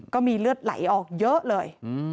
ก็มีเลือดไหลออกเยอะเลย